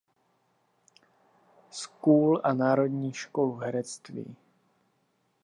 School a národní školu herectví.